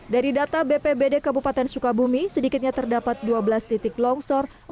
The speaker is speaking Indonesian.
dari data bpbd kabupaten sukabumi sedikitnya terdapat dua belas titik longsor